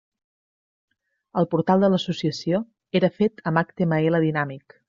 El portal de l'Associació era fet amb HTML dinàmic.